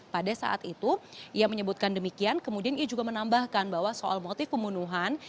pada saat itu ia menyebutkan demikian kemudian ia juga menambahkan bahwa soal motif pembunuhan